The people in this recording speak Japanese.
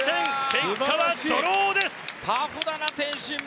結果はドローです！